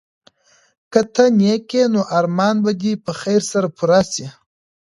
که ته نېک یې نو ارمان به دي په خیر سره پوره سي.